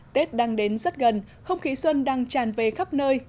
tết đang đến rất gần không khí xuân đang tràn về khắp nơi